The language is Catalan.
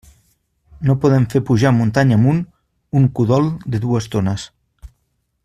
No podem fer pujar muntanya amunt un cudol de dues tones.